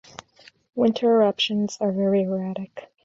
Winter eruptions are very erratic.